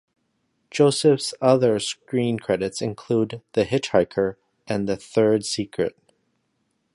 Joseph's other screen credits include "The Hitch-Hiker" and "The Third Secret".